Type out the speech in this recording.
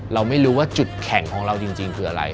เราไม่รู้ว่าจุดแข่งของเราจริงคืออะไร